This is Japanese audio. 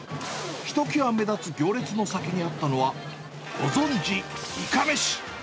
ひときわ目立つ行列の先にあったのは、ご存じ、いかめし。